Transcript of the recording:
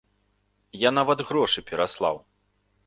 Я нават грошы пераслаў!